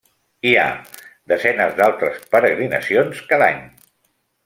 Hi ha desenes d'altres peregrinacions cada any.